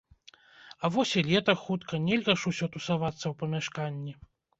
Але вось і лета хутка, нельга ж усё тусавацца ў памяшканні.